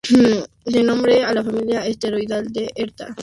Da nombre a la familia asteroidal de Herta.